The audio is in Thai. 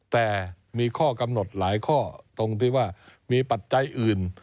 แต่มีข้อกำหนดหลายข้อตรงที่ว่ามีปัจจัยอื่น